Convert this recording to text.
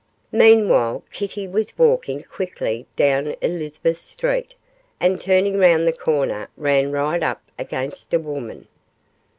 Meanwhile Kitty was walking quickly down Elizabeth Street, and turning round the corner ran right up against a woman.